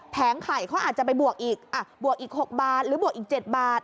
แผงไข่เขาอาจจะไปบวกอีก๖บาทหรือบวกอีก๗บาท